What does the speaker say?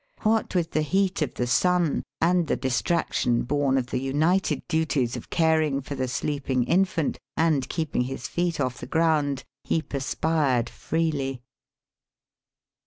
What with the heat of the sun, and the distraction born of the united duties of caring for the sleeping infant and keeping his feet off the ground, he perspired freely.